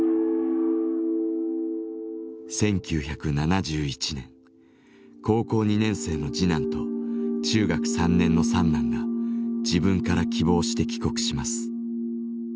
１９７１年高校２年生の次男と中学３年の三男が自分から希望して帰国します。